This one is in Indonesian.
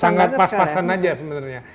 sangat pas pasan aja sebenarnya